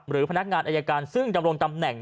พนักงานอายการซึ่งดำรงตำแหน่ง